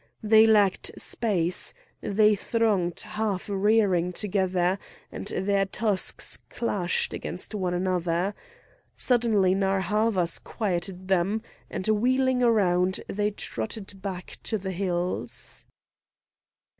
They lacked space; they thronged half rearing together, and their tusks clashed against one another. Suddenly Narr' Havas quieted them, and wheeling round they trotted back to the hills.